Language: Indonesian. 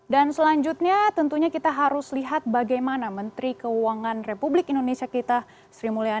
dan selanjutnya tentunya kita harus lihat bagaimana menteri keuangan republik indonesia kita sri mulyani